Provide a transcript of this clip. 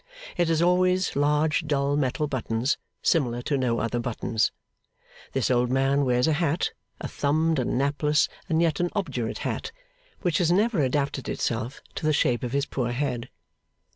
It has always large dull metal buttons, similar to no other buttons. This old man wears a hat, a thumbed and napless and yet an obdurate hat, which has never adapted itself to the shape of his poor head.